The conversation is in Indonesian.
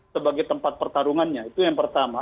sebagai tempat pertarungannya itu yang pertama